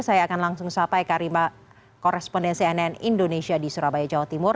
saya akan langsung sampai ke rima koresponden cnn indonesia di surabaya jawa timur